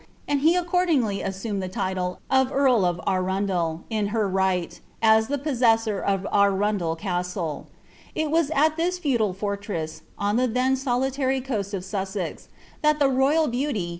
anil he accordingly aisHuiued ihe tille of enrl of AniiiU^I. in her rigiii, as the possessor of Acundel Cusile.' It was at this feudal fodms, on (he iheii solitary coast of Sussex, that the royal baauly.